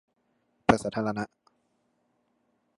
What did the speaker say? เปิดสาธารณะ